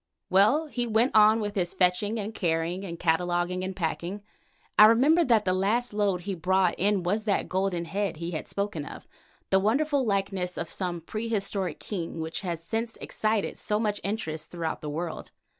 Well, he went on with his fetching and carrying and cataloguing and packing. I remember that the last load he brought in was the golden head he had spoken of, the wonderful likeness of some prehistoric king which has since excited so much interest throughout the world.